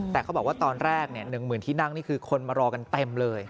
แต่เขาบอกว่าตอนแรกเนี่ยหนึ่งหมื่นที่นั่งนี่คือคนมารอกันเต็มเลย